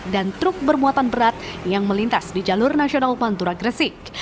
dan truk bermuatan berat yang melintas di jalur nasional pantura gersik